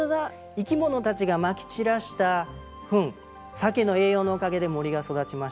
生き物たちがまき散らしたフンサケの栄養のおかげで森が育ちました。